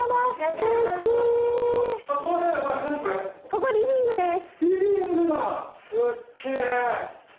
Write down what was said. ここ、リビングです。